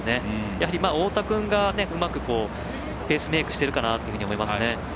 やはり、太田君がうまくペースメイクしてるかなと思いますね。